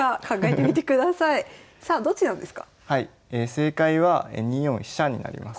正解は２四飛車になります。